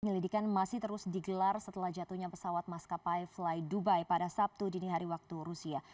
penyelidikan masih terus digelar setelah jatuhnya pesawat maskapai fly dubai pada sabtu dini hari waktu rusia